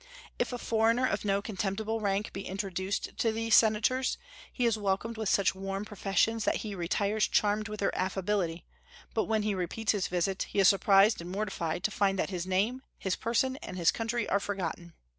If a foreigner of no contemptible rank be introduced to these senators, he is welcomed with such warm professions that he retires charmed with their affability; but when he repeats his visit, he is surprised and mortified to find that his name, his person, and his country are forgotten.